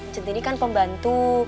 centini kan pembantu